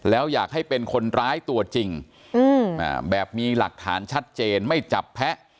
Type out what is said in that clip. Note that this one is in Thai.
แล้วอยากให้เป็นคนร้ายตัวจริงแบบมีหลักฐานชัดเจนไม่จับแพ้